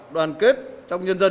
đoàn kết trong nhân dân